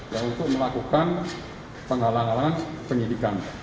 yang untuk melakukan penghalangan penyidikan